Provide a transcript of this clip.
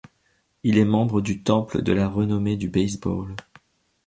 Il est membre du Temple de la renommée du baseball.